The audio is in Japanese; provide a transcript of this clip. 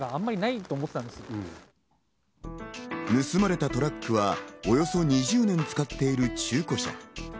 盗まれたトラックは、およそ２０年使っている中古車。